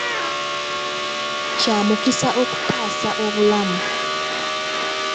Kya mukisa okutaasa obulamu.